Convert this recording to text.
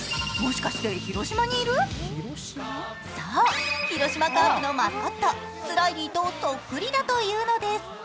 そう、広島カープのマスコット、スラィリーとそっりくだというのです。